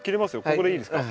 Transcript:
ここでいいですか？